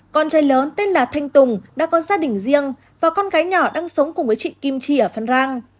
con trai lớn tên là thanh tùng đã có gia đình riêng và con gái nhỏ đang sống cùng với chị kim chi ở phân rang